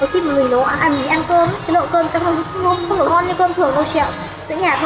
khi mà mình nấu ăn mì ăn cơm cái lượng cơm sẽ không được ngon như cơm thường đâu chị ạ